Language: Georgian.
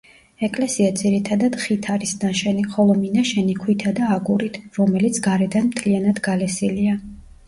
ეკლესია ძირითადად ხით არის ნაშენი, ხოლო მინაშენი ქვითა და აგურით, რომელიც გარედან მთლიანად გალესილია.